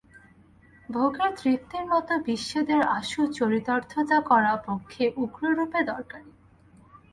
ভোগের তৃপ্তির মতোই বিদ্বেষের আশু চরিতার্থতা তার পক্ষে উগ্ররূপে দরকারি।